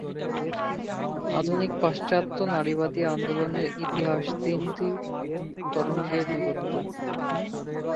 আধুনিক পাশ্চাত্য নারীবাদী আন্দোলনের ইতিহাস তিনটি "তরঙ্গ"-এ বিভক্ত।